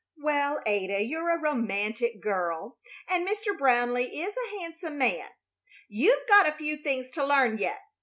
"Well, Ada, you're a romantic girl, and Mr. Brownleigh is a handsome man. You've got a few things to learn yet.